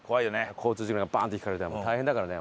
交通事故に遭ってバーンってひかれたら大変だからね。